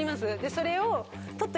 それを。